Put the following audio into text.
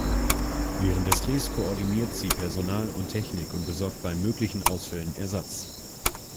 Während des Drehs koordiniert sie Personal und Technik und besorgt bei möglichen Ausfällen Ersatz.